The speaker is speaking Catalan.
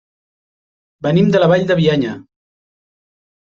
Venim de la Vall de Bianya.